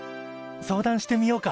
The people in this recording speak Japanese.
相談してみようか。